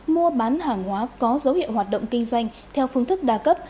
mua bán hàng hóa có dấu hiệu hoạt động kinh doanh theo phương thức đa cấp